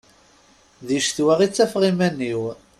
Di ccetwa i ttafeɣ iman-iw.